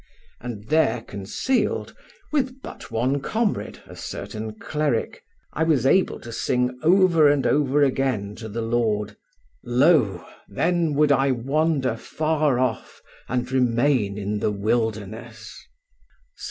And there concealed, with but one comrade, a certain cleric, I was able to sing over and over again to the Lord: "Lo, then would I wander far off, and remain in the wilderness" (Ps.